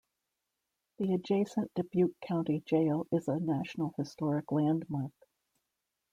The adjacent Dubuque County Jail is a National Historic Landmark.